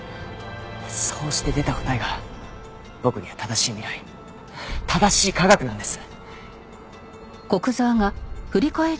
そうして出た答えが僕には正しい未来正しい科学なんです！